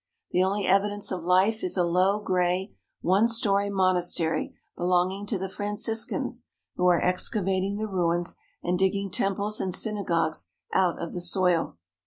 The only evidence of life is a low, gray, one story monastery belonging to the Francis cans, who are excavating the ruins and digging temples and synagogues out of the soil.